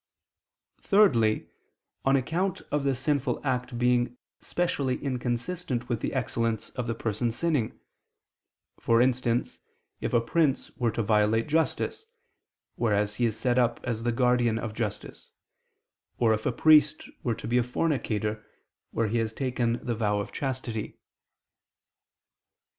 Thirdly, on account of the sinful act being specially inconsistent with the excellence of the person sinning: for instance, if a prince were to violate justice, whereas he is set up as the guardian of justice, or if a priest were to be a fornicator, whereas he has taken the vow of chastity.